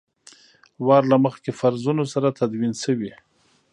وار له مخکې فرضونو سره تدوین شوي.